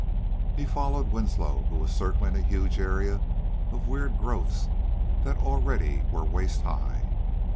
He followed Winslow, who was circling a huge area of weird growths that already were waist high.